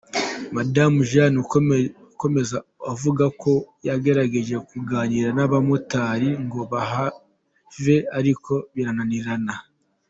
Madamu Jeanne akomeza avuga ko yagerageje kuganira n’abamotari ngo bahave ariko birananirana.